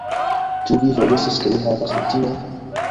Ĉu vi forgesis ke mi havas edzinon?